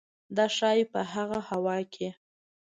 دا ښايي په هغه هوا کې